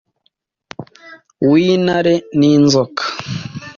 w intare n inzoka